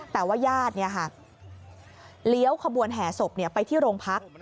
แต่ว่าญาติเลี้ยวขบวนแห่ศพไปที่โรงพัก